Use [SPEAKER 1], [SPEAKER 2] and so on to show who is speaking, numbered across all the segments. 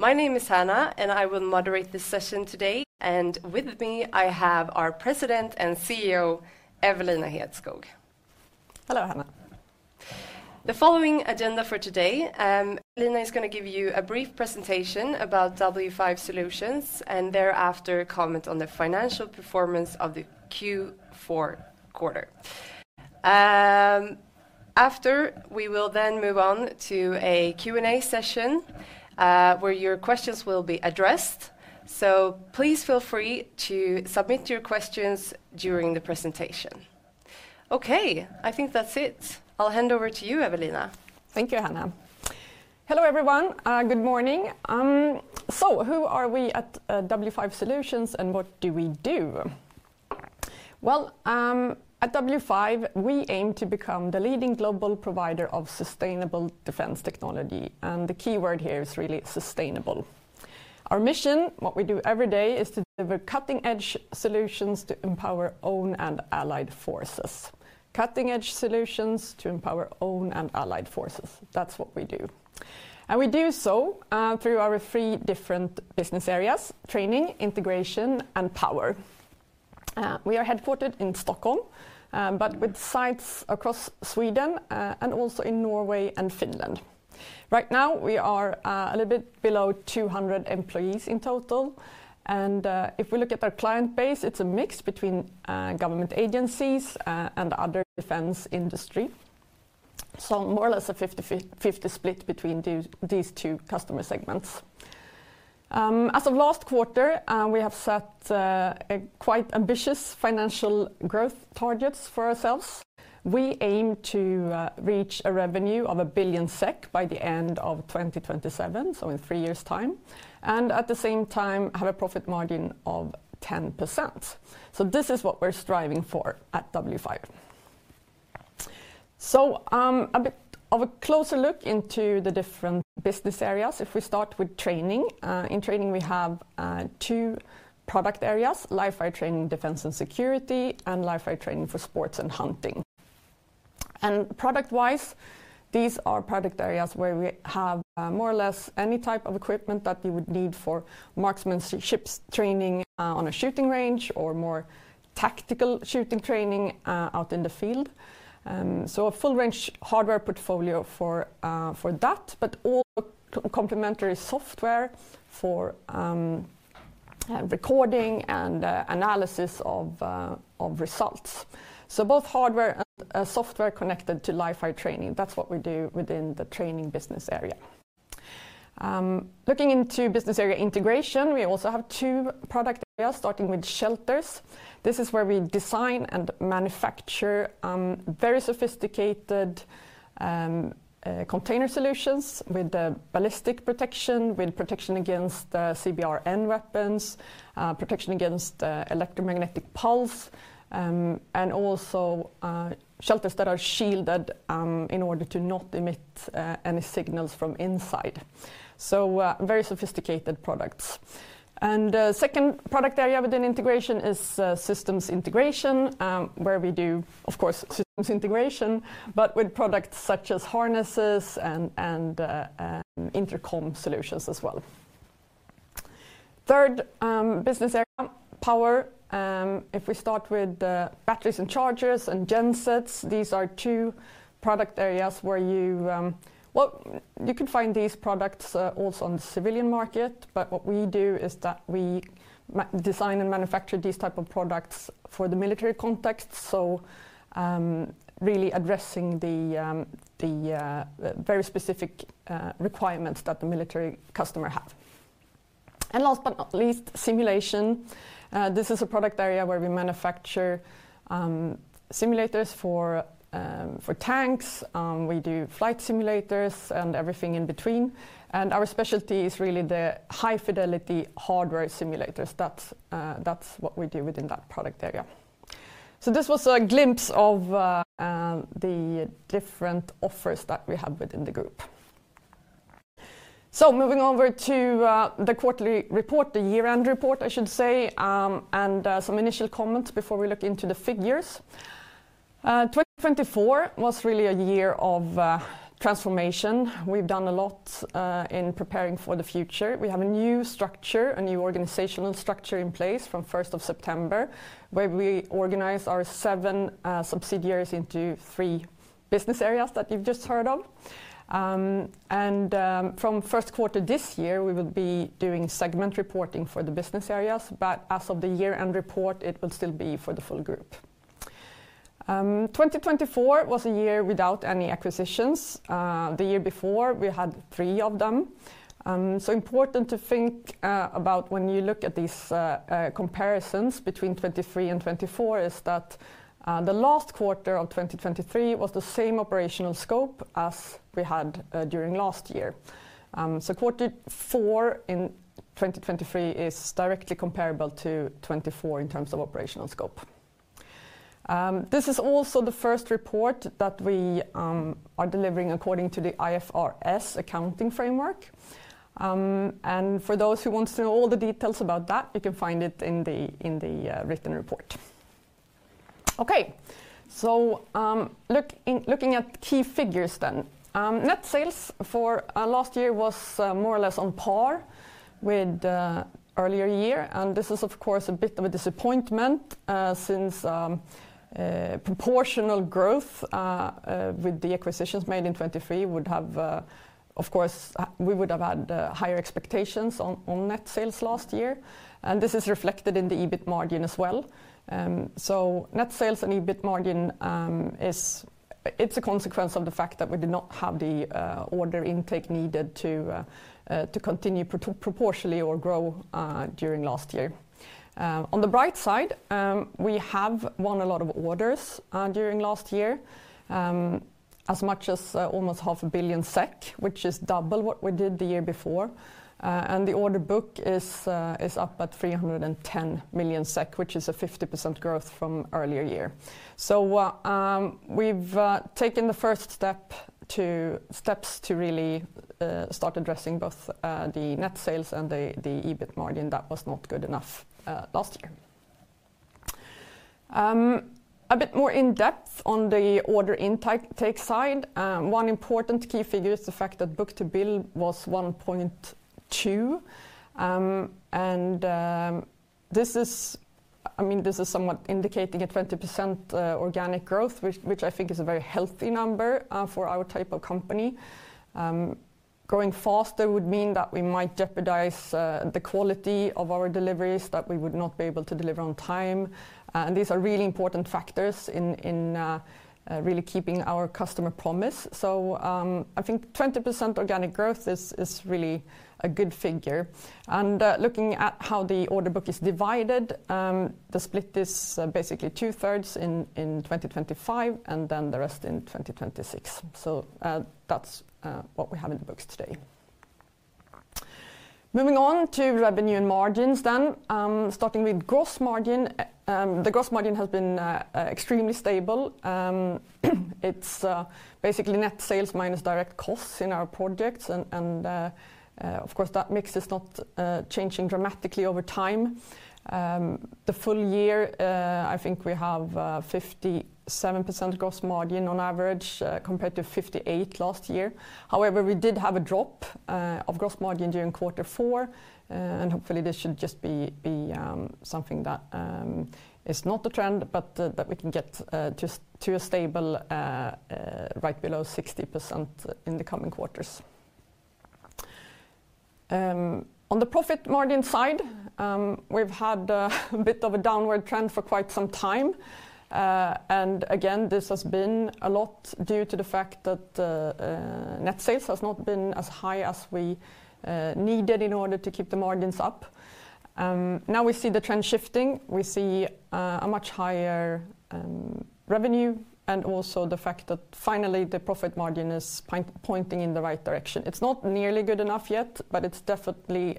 [SPEAKER 1] My name is Hannah, and I will moderate this session today. With me I have our President and CEO, Evelina Hedskog.
[SPEAKER 2] Hello, Hannah.
[SPEAKER 1] The following agenda for today: Evelina is going to give you a brief presentation about W5 Solutions, and thereafter comment on the financial performance of the Q4 quarter. After we will then move on to a Q&A session where your questions will be addressed. Please feel free to submit your questions during the presentation. Okay, I think that's it. I'll hand over to you, Evelina.
[SPEAKER 2] Thank you, Hannah. Hello everyone, good morning. Who are we at W5 Solutions, and what do we do? At W5 we aim to become the leading global provider of sustainable defence technology. The key word here is really sustainable. Our mission, what we do every day, is to deliver cutting-edge solutions to empower own and allied forces. Cutting-edge solutions to empower own and allied forces. That's what we do. We do so through our three different business areas: training, integration, and power. We are headquartered in Stockholm, with sites across Sweden and also in Norway and Finland. Right now we are a little bit below 200 employees in total. If we look at our client base, it's a mix between government agencies and other defence industry. More or less a 50/50 split between these two customer segments. As of last quarter, we have set quite ambitious financial growth targets for ourselves. We aim to reach a revenue of 1 billion SEK by the end of 2027, in three years' time. At the same time, have a profit margin of 10%. This is what we're striving for at W5. A bit of a closer look into the different business areas. If we start with training, in training we have two product areas: Live Fire Training Defence & Security and Live Fire Training for Sports & Hunting. Product-wise, these are product areas where we have more or less any type of equipment that you would need for marksmanship training on a shooting range or more tactical shooting training out in the field. A full range hardware portfolio for that, but also complementary software for recording and analysis of results. Both hardware and software are connected to Live Fire Training. That is what we do within the training business area. Looking into business area integration, we also have two product areas, starting with shelters. This is where we design and manufacture very sophisticated container solutions with ballistic protection, with protection against CBRN weapons, protection against electromagnetic pulse, and also shelters that are shielded in order to not emit any signals from inside. Very sophisticated products. The second product area within integration is systems integration, where we do, of course, systems integration, but with products such as harnesses and intercom solutions as well. Third business area, power. If we start with batteries and chargers and gensets, these are two product areas where you can find these products also on the civilian market. What we do is that we design and manufacture these types of products for the military context. Really addressing the very specific requirements that the military customer has. Last but not least, simulation. This is a product area where we manufacture simulators for tanks. We do flight simulators and everything in between. Our specialty is really the high-fidelity hardware simulators. That is what we do within that product area. This was a glimpse of the different offers that we have within the group. Moving over to the quarterly report, the year-end report, I should say, and some initial comments before we look into the figures. 2024 was really a year of transformation. We have done a lot in preparing for the future. We have a new structure, a new organizational structure in place from 1 September, where we organize our seven subsidiaries into three business areas that you have just heard of. From first quarter this year, we will be doing segment reporting for the business areas. As of the year-end report, it will still be for the full group. 2024 was a year without any acquisitions. The year before, we had three of them. Important to think about when you look at these comparisons between 2023 and 2024 is that the last quarter of 2023 was the same operational scope as we had during last year. Quarter four in 2023 is directly comparable to 2024 in terms of operational scope. This is also the first report that we are delivering according to the IFRS accounting framework. For those who want to know all the details about that, you can find it in the written report. Okay, looking at key figures then. Net sales for last year was more or less on par with earlier year. This is, of course, a bit of a disappointment since proportional growth with the acquisitions made in 2023 would have, of course, we would have had higher expectations on net sales last year. This is reflected in the EBIT margin as well. Net sales and EBIT margin, it is a consequence of the fact that we did not have the order intake needed to continue proportionally or grow during last year. On the bright side, we have won a lot of orders during last year, as much as almost 500 million SEK, which is double what we did the year before. The order book is up at 310 million SEK, which is a 50% growth from earlier year. We have taken the first steps to really start addressing both the net sales and the EBIT margin that was not good enough last year. A bit more in depth on the order intake side, one important key figure is the fact that book-to-bill was 1.2x. This is somewhat indicating a 20% organic growth, which I think is a very healthy number for our type of company. Growing faster would mean that we might jeopardize the quality of our deliveries, that we would not be able to deliver on time. These are really important factors in really keeping our customer promise. I think 20% organic growth is really a good figure. Looking at how the order book is divided, the split is basically 2/3 in 2025 and then the rest in 2026. That is what we have in the books today. Moving on to revenue and margins then, starting with gross margin. The gross margin has been extremely stable. It is basically net sales minus direct costs in our projects. Of course, that mix is not changing dramatically over time. The full-year, I think we have 57% gross margin on average compared to 58% last year. However, we did have a drop of gross margin during quarter four. Hopefully this should just be something that is not a trend, but that we can get to a stable right below 60% in the coming quarters. On the profit margin side, we've had a bit of a downward trend for quite some time. Again, this has been a lot due to the fact that net sales has not been as high as we needed in order to keep the margins up. Now we see the trend shifting. We see a much higher revenue and also the fact that finally the profit margin is pointing in the right direction. It's not nearly good enough yet, but it's definitely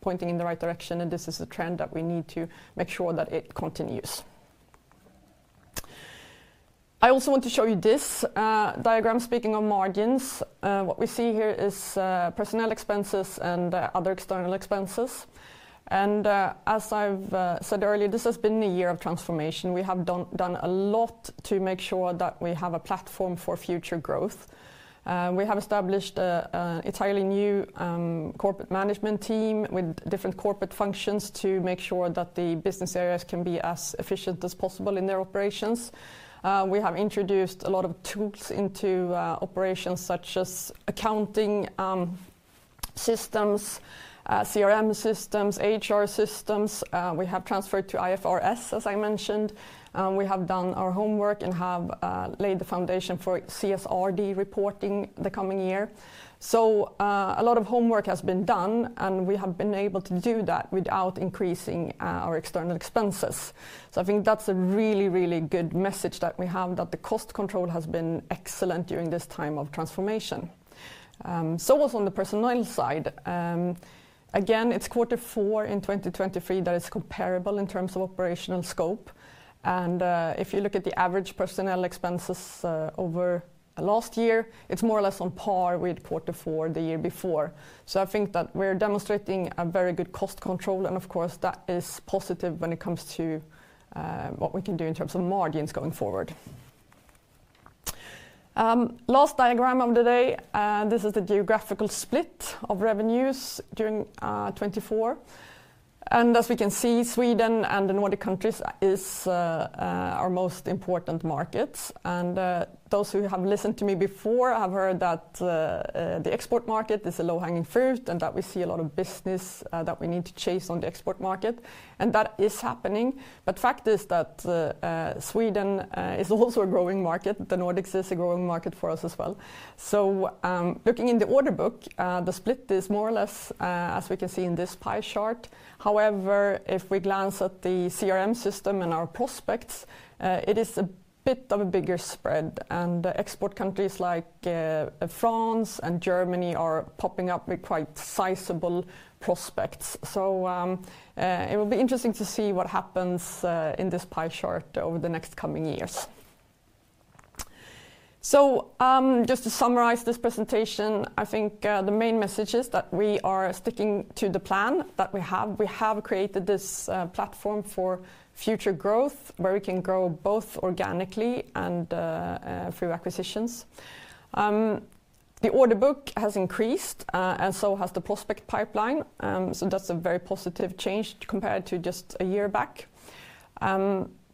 [SPEAKER 2] pointing in the right direction. This is a trend that we need to make sure that it continues. I also want to show you this diagram. Speaking of margins, what we see here is personnel expenses and other external expenses. As I've said earlier, this has been a year of transformation. We have done a lot to make sure that we have a platform for future growth. We have established an entirely new corporate management team with different corporate functions to make sure that the business areas can be as efficient as possible in their operations. We have introduced a lot of tools into operations such as accounting systems, CRM systems, HR systems. We have transferred to IFRS, as I mentioned. We have done our homework and have laid the foundation for CSRD reporting the coming year. A lot of homework has been done, and we have been able to do that without increasing our external expenses. I think that's a really, really good message that we have, that the cost control has been excellent during this time of transformation. What's on the personnel side? Again, it's quarter four in 2023 that is comparable in terms of operational scope. If you look at the average personnel expenses over last year, it's more or less on par with quarter four the year before. I think that we're demonstrating very good cost control. Of course, that is positive when it comes to what we can do in terms of margins going forward. Last diagram of the day, this is the geographical split of revenues during 2024. As we can see, Sweden and the Nordic countries are our most important markets. Those who have listened to me before have heard that the export market is a low-hanging fruit and that we see a lot of business that we need to chase on the export market. That is happening. The fact is that Sweden is also a growing market. The Nordics is a growing market for us as well. Looking in the order book, the split is more or less, as we can see in this pie chart. However, if we glance at the CRM system and our prospects, it is a bit of a bigger spread. Export countries like France and Germany are popping up with quite sizable prospects. It will be interesting to see what happens in this pie chart over the next coming years. Just to summarize this presentation, I think the main message is that we are sticking to the plan that we have. We have created this platform for future growth where we can grow both organically and through acquisitions. The order book has increased and so has the prospect pipeline. That is a very positive change compared to just a year back.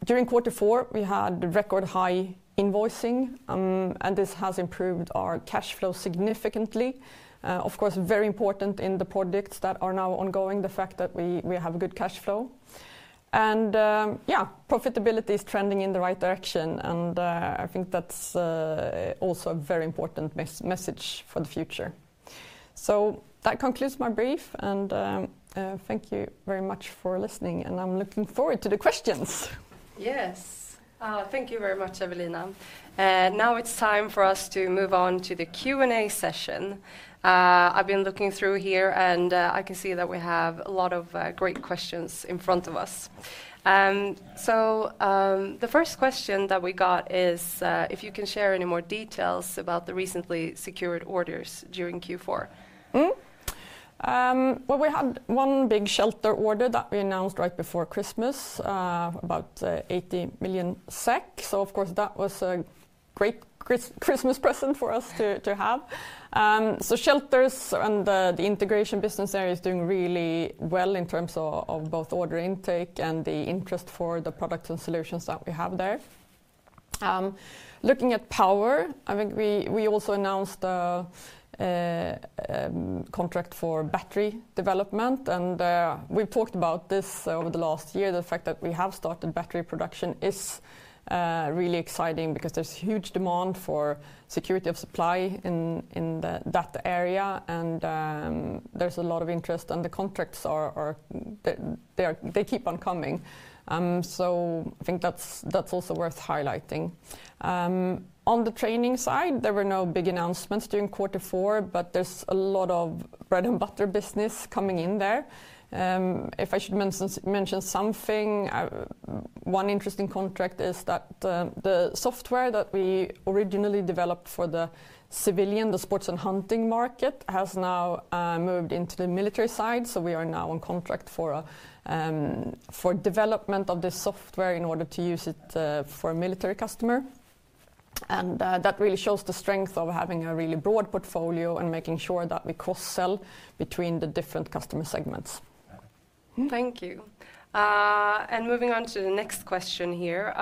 [SPEAKER 2] During quarter four, we had record high invoicing, and this has improved our cash flow significantly. Of course, very important in the projects that are now ongoing, the fact that we have a good cash flow. Yeah, profitability is trending in the right direction. I think that is also a very important message for the future. That concludes my brief. Thank you very much for listening. I am looking forward to the questions.
[SPEAKER 1] Yes. Thank you very much, Evelina. Now it's time for us to move on to the Q&A session. I've been looking through here and I can see that we have a lot of great questions in front of us. The first question that we got is if you can share any more details about the recently secured orders during Q4.
[SPEAKER 2] We had one big shelter order that we announced right before Christmas, about 80 million SEK. That was a great Christmas present for us to have. Shelters and the integration business area is doing really well in terms of both order intake and the interest for the products and solutions that we have there. Looking at power, I think we also announced the contract for battery development. We've talked about this over the last year. The fact that we have started battery production is really exciting because there is huge demand for security of supply in that area. There is a lot of interest and the contracts keep on coming. I think that is also worth highlighting. On the training side, there were no big announcements during quarter four, but there is a lot of bread and butter business coming in there. If I should mention something, one interesting contract is that the software that we originally developed for the civilian, the sports and hunting market, has now moved into the military side. We are now on contract for development of the software in order to use it for a military customer. That really shows the strength of having a really broad portfolio and making sure that we cross-sell between the different customer segments.
[SPEAKER 1] Thank you. Moving on to the next question here,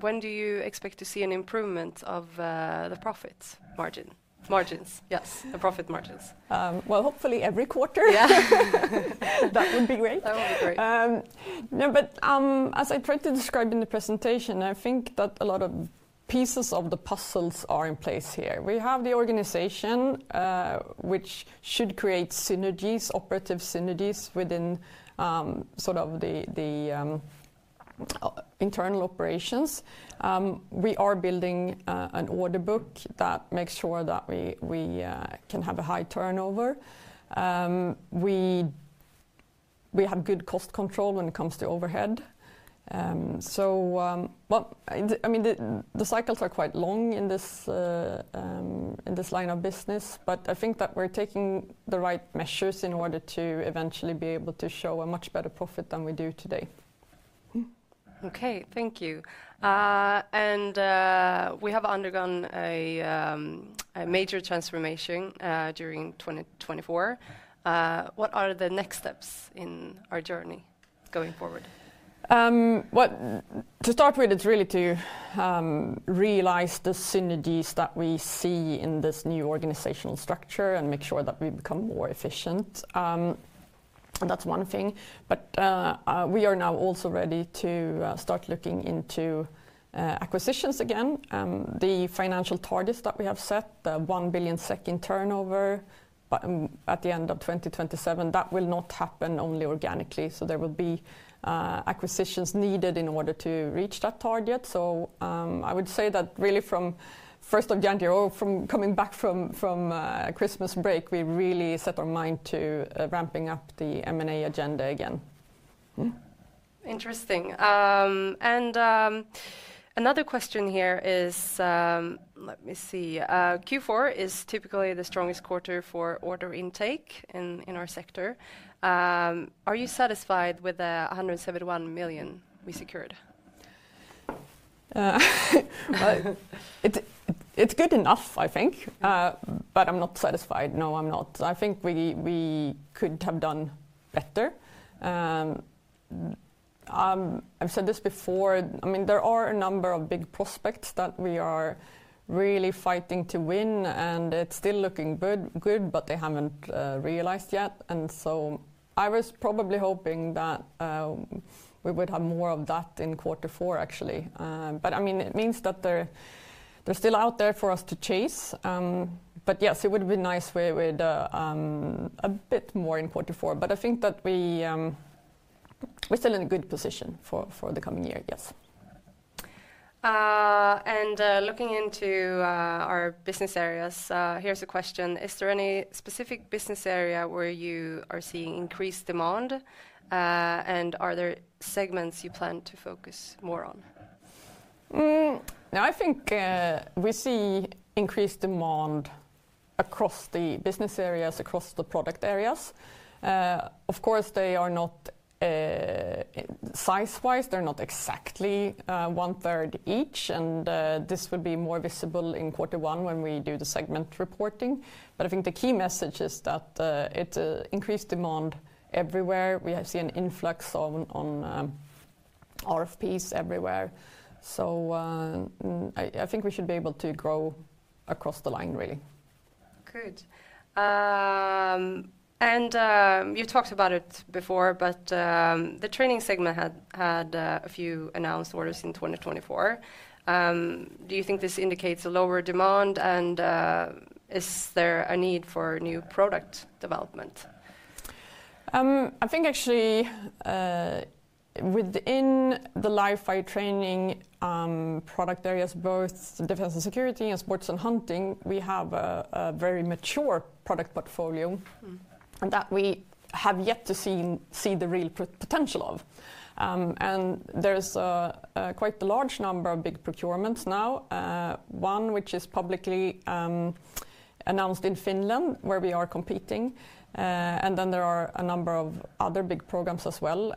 [SPEAKER 1] when do you expect to see an improvement of the profit margins? Yes, the profit margins.
[SPEAKER 2] Hopefully every quarter. That would be great. That would be great. As I tried to describe in the presentation, I think that a lot of pieces of the puzzles are in place here. We have the organization, which should create synergies, operative synergies within sort of the internal operations. We are building an order book that makes sure that we can have a high turnover. We have good cost control when it comes to overhead. The cycles are quite long in this line of business, but I think that we're taking the right measures in order to eventually be able to show a much better profit than we do today.
[SPEAKER 1] Okay, thank you. We have undergone a major transformation during 2024. What are the next steps in our journey going forward?
[SPEAKER 2] To start with, it's really to realize the synergies that we see in this new organizational structure and make sure that we become more efficient. That's one thing. We are now also ready to start looking into acquisitions again. The financial targets that we have set, the 1 billion SEK in turnover at the end of 2027, that will not happen only organically. There will be acquisitions needed in order to reach that target. I would say that really from 1 January or from coming back from Christmas break, we really set our mind to ramping up the M&A agenda again.
[SPEAKER 1] Interesting. Another question here is, let me see, Q4 is typically the strongest quarter for order intake in our sector. Are you satisfied with the 171 million we secured?
[SPEAKER 2] It's good enough, I think. But I'm not satisfied. No, I'm not. I think we could have done better. I've said this before. There are a number of big prospects that we are really fighting to win, and it's still looking good, but they haven't realized yet. I was probably hoping that we would have more of that in quarter four, actually. It means that they're still out there for us to chase. Yes, it would be nice with a bit more in quarter four. I think that we're still in a good position for the coming year. Yes.
[SPEAKER 1] Looking into our business areas, here's a question. Is there any specific business area where you are seeing increased demand? Are there segments you plan to focus more on?
[SPEAKER 2] I think we see increased demand across the business areas, across the product areas. Of course, they are not size-wise, they're not exactly 1/3 each. This would be more visible in quarter one when we do the segment reporting. I think the key message is that it's increased demand everywhere. We have seen an influx on RFPs everywhere. I think we should be able to grow across the line, really.
[SPEAKER 1] Good. You've talked about it before, but the training segment had a few announced orders in 2024. Do you think this indicates a lower demand? Is there a need for new product development?
[SPEAKER 2] I think actually within the Live Fire Training product areas, both defense and security and sports and hunting, we have a very mature product portfolio that we have yet to see the real potential of. There's quite a large number of big procurements now, one which is publicly announced in Finland where we are competing. There are a number of other big programs as well.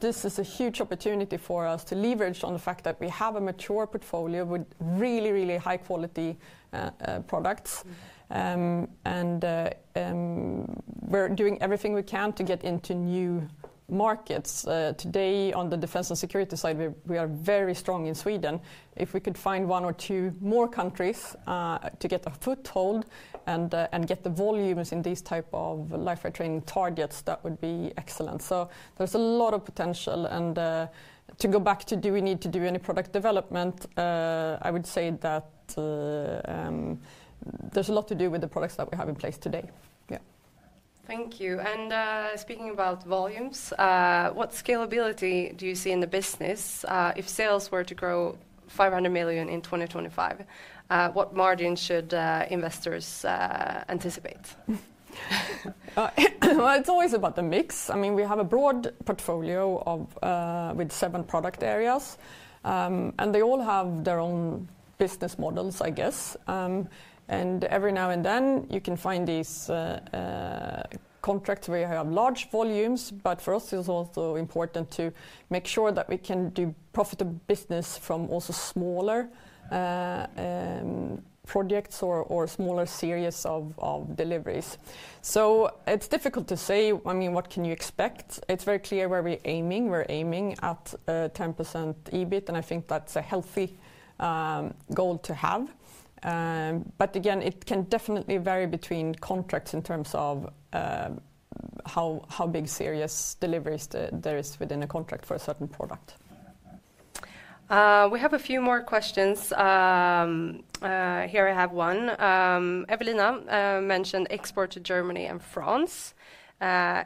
[SPEAKER 2] This is a huge opportunity for us to leverage on the fact that we have a mature portfolio with really, really high-quality products. We're doing everything we can to get into new markets. Today, on the defense and security side, we are very strong in Sweden. If we could find one or two more countries to get a foothold and get the volumes in these types of Live Fire Training targets, that would be excellent. There is a lot of potential. To go back to do we need to do any product development, I would say that there is a lot to do with the products that we have in place today. Yeah.
[SPEAKER 1] Thank you. Speaking about volumes, what scalability do you see in the business? If sales were to grow 500 million in 2025, what margins should investors anticipate?
[SPEAKER 2] It is always about the mix. We have a broad portfolio with seven product areas. They all have their own business models, I guess. Every now and then, you can find these contracts where you have large volumes. For us, it is also important to make sure that we can do profitable business from also smaller projects or smaller series of deliveries. It is difficult to say what can you expect. It is very clear where we are aiming. We are aiming at 10% EBIT. I think that is a healthy goal to have. Again, it can definitely vary between contracts in terms of how big series deliveries there are within a contract for a certain product.
[SPEAKER 1] We have a few more questions. Here I have one. Evelina mentioned export to Germany and France.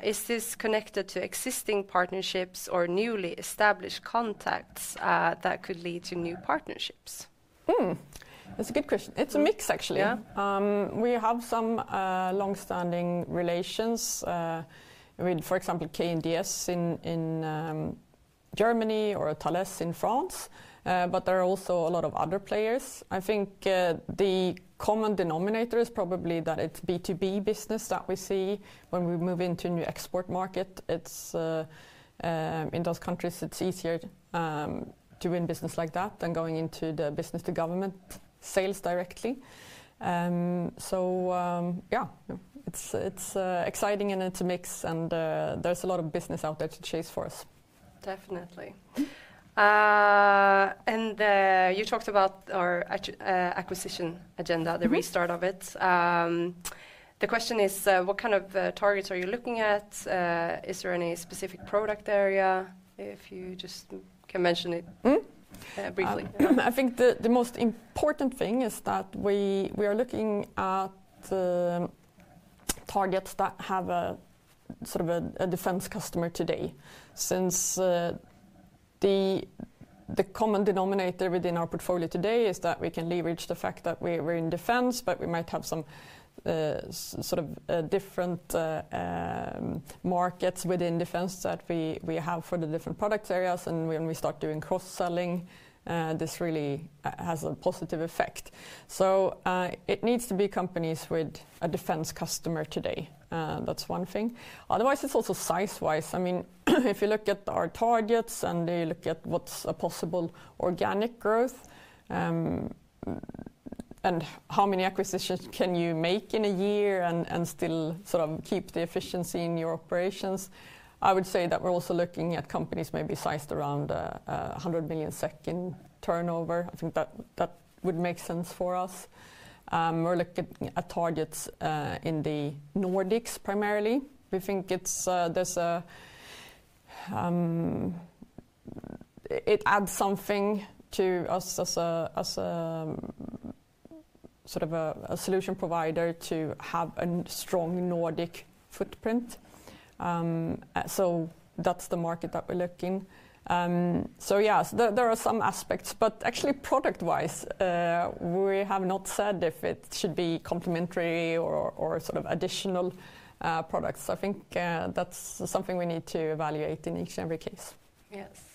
[SPEAKER 1] Is this connected to existing partnerships or newly established contacts that could lead to new partnerships?
[SPEAKER 2] That's a good question. It's a mix, actually. We have some long-standing relations with, for example, KNDS in Germany or Thales in France. There are also a lot of other players. I think the common denominator is probably that it's B2B business that we see when we move into a new export market. In those countries, it's easier to win business like that than going into the business-to-government sales directly. Yeah, it's exciting and it's a mix. There's a lot of business out there to chase for us.
[SPEAKER 1] Definitely. You talked about our acquisition agenda, the restart of it. The question is, what kind of targets are you looking at? Is there any specific product area? If you just can mention it briefly.
[SPEAKER 2] I think the most important thing is that we are looking at targets that have a defense customer today. Since the common denominator within our portfolio today is that we can leverage the fact that we're in defense, but we might have some different markets within defense that we have for the different product areas. When we start doing cross-selling, this really has a positive effect. It needs to be companies with a defense customer today. That's one thing. Otherwise, it's also size-wise. If you look at our targets and you look at what's a possible organic growth and how many acquisitions can you make in a year and still keep the efficiency in your operations, I would say that we're also looking at companies maybe sized around 100 million in turnover. I think that would make sense for us. We're looking at targets in the Nordics primarily. We think it adds something to us as a solution provider to have a strong Nordic footprint. That is the market that we're looking. Yes, there are some aspects. Actually, product-wise, we have not said if it should be complementary or additional products. I think that is something we need to evaluate in each and every case.
[SPEAKER 1] Yes.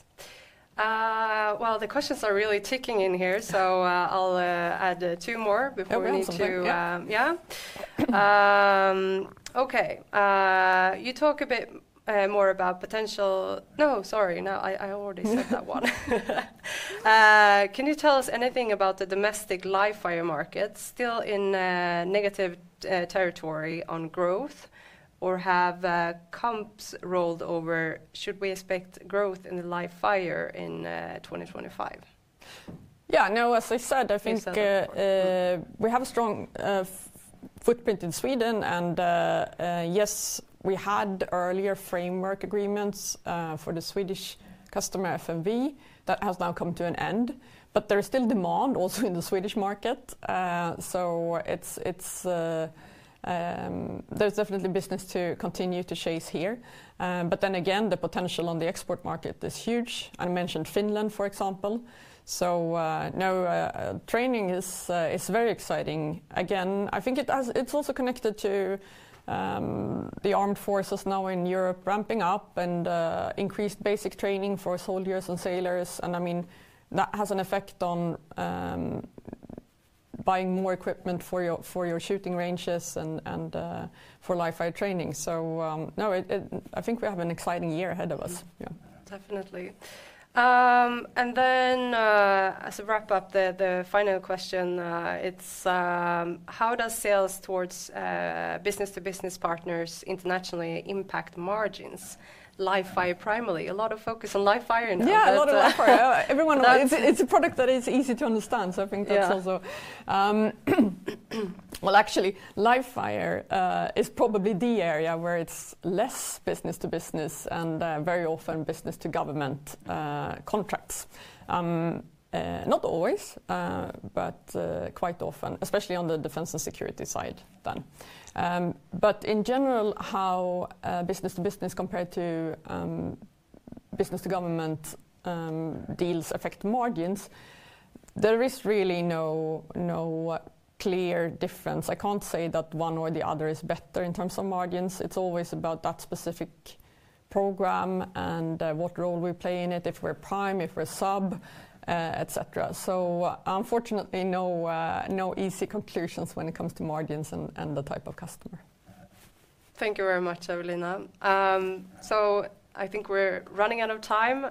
[SPEAKER 1] The questions are really ticking in here. I'll add two more before we need to. Yeah. You talk a bit more about potential. No, sorry. No, I already said that one. Can you tell us anything about the domestic Live Fire markets? Still in negative territory on growth or have comps rolled over? Should we expect growth in Live Fire in 2025?
[SPEAKER 2] Yeah. No, as I said, I think we have a strong footprint in Sweden. Yes, we had earlier framework agreements for the Swedish customer FMV. That has now come to an end. There is still demand also in the Swedish market. There is definitely business to continue to chase here. The potential on the export market is huge. I mentioned Finland, for example. Training is very exciting. I think it is also connected to the armed forces now in Europe ramping up and increased basic training for soldiers and sailors. That has an effect on buying more equipment for your shooting ranges and for Live Fire Training. I think we have an exciting year ahead of us.
[SPEAKER 1] Definitely. As a wrap-up, the final question is, how does sales towards business-to-business partners internationally impact margins? Live Fire primarily. A lot of focus on Live Fire in the market. Yeah, a lot of Live Fire.
[SPEAKER 2] It's a product that is easy to understand. I think that's also. Actually, Live Fire is probably the area where it's less business-to-business and very often business-to-government contracts. Not always, but quite often, especially on the defense and security side. In general, how business-to-business compared to business-to-government deals affect margins, there is really no clear difference. I can't say that one or the other is better in terms of margins. It's always about that specific program and what role we play in it, if we're prime, if we're sub, etc. Unfortunately, no easy conclusions when it comes to margins and the type of customer.
[SPEAKER 1] Thank you very much, Evelina. I think we're running out of time.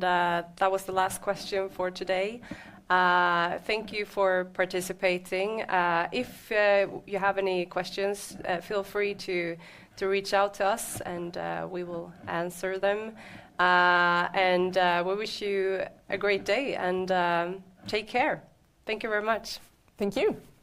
[SPEAKER 1] That was the last question for today. Thank you for participating. If you have any questions, feel free to reach out to us and we will answer them. We wish you a great day and take care. Thank you very much.
[SPEAKER 2] Thank you.